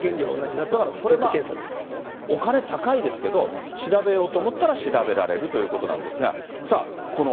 だからこれ、お金高いですけど、調べようと思ったら調べられるということなんですが。